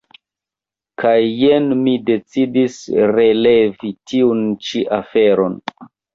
Kaj jen mi decidis relevi tiun ĉi aferon.